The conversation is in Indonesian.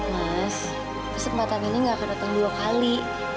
mas kesempatan ini gak akan datang dua kali